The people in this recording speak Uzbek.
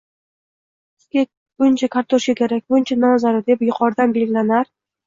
«bizga buncha kartoshka kerak, buncha non zarur», deb yuqoridan belgilanar